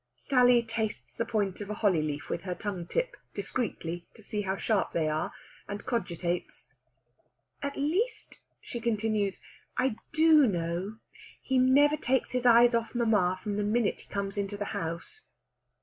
Sally tastes the points of a holly leaf with her tongue tip, discreetly, to see how sharp they are, and cogitates. "At least," she continues, "I do know. He never takes his eyes off mamma from the minute he comes into the house."